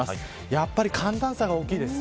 やっぱり寒暖差が大きいです。